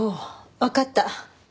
わかった。